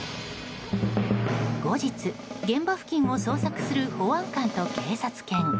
後日、現場付近を捜索する保安官と警察犬。